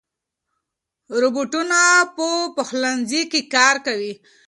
روباټونه په پخلنځي کې کار کوي.